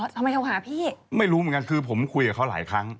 ทำดิทำดิทำดิทำดิไม่รู้เหมือนกันคือผมคุยกับเขาหลายครั้ง